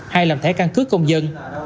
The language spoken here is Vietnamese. hay làm thẻ căn cứ công dân